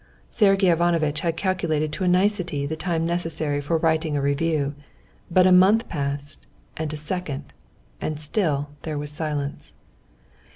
Sergey Ivanovitch had calculated to a nicety the time necessary for writing a review, but a month passed, and a second, and still there was silence.